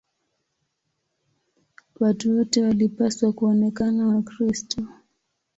Watu wote walipaswa kuonekana Wakristo.